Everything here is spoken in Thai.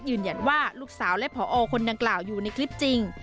ยืนยันว่าลูกสาวและผอคนดังกล่าวอยู่ในคลิปจริง